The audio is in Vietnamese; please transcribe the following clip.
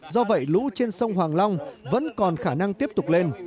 do vậy lũ trên sông hoàng long vẫn còn khả năng tiếp tục lên